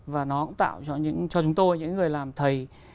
và nó cũng tạo cho chúng tôi những người làm thầy